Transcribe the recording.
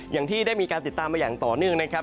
อย่างที่ได้มีการติดตามมาอย่างต่อเนื่องนะครับ